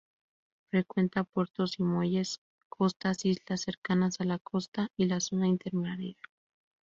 Frecuenta puertos y muelles, costas, islas cercanas a la costa y la zona intermareal.